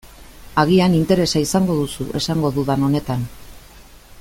Agian interesa izango duzu esango dudan honetan.